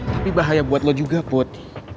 tapi bahaya buat lo juga buat